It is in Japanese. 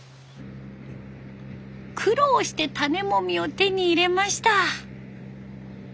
苦労して種もみを手に入れました。